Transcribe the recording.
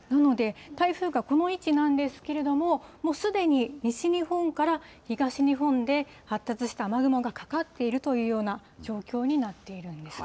台風がこの位置なんですけれども、もうすでに西日本から東日本で発達した雨雲がかかっているというような状況になっているんです。